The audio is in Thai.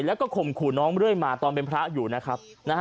แล้วก็ข่มขู่น้องเรื่อยมาตอนเป็นพระอยู่นะครับ